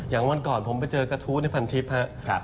อย่างวันก่อนผมไปเจอกระทู้ในพันทิศฮะ